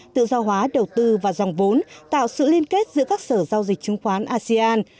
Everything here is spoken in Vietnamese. tự do hóa đầu tư và dòng vốn tạo sự liên kết giữa các sở giao dịch chứng khoán asean